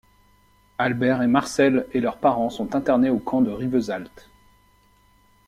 Albert et Marcel et leurs parents sont internés au Camp de Rivesaltes.